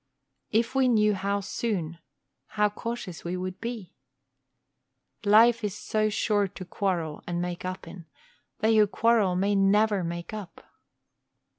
If we knew how soon, how cautious we would be! Life is so short to quarrel and make up in; they who quarrel may never make up.